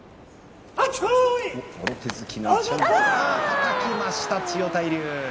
はたきました千代大龍